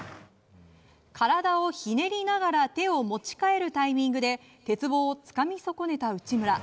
体をひねりながら手を持ち替えるタイミングで鉄棒をつかみ損ねた内村。